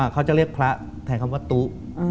เขาจะเรียกพระแทนคำว่าตุ๊